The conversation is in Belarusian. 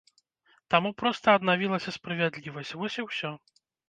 Таму проста аднавілася справядлівасць, вось і ўсё.